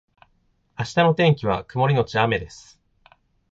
明日の天気は曇りのち雨です